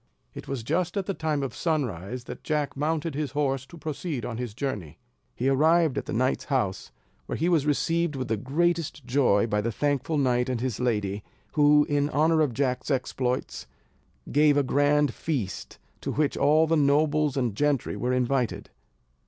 It was just at the time of sunrise that Jack mounted his horse to proceed on his journey. He arrived at the knight's house, where he was received with the greatest joy by the thankful knight and his lady, who, in honour of Jack's exploits, gave a grand feast, to which all the nobles and gentry were invited.